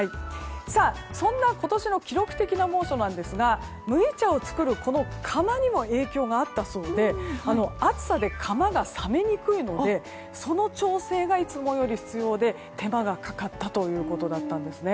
そんな今年の記録的な猛暑なんですが麦茶を作るこの窯にも影響があったそうで暑さで窯が冷めにくいのでその調整がいつもより必要で手間がかかったということだったんです。